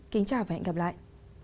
kính chào và hẹn gặp lại